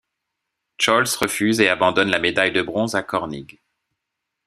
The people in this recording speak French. Scholz refuse et abandonne la médaille de bronze à Körnig.